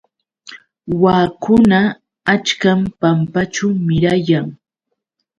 Waakuna achkam pampaćhu mirayan.